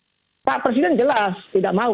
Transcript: maksud saya begini pesannya pak presiden jelas tidak mau